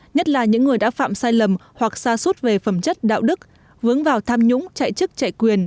nhất là những người đã phạm sai lầm hoặc xa suốt về phẩm chất đạo đức vướng vào tham nhũng chạy chức chạy quyền